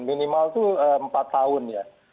minimal itu empat tahun ya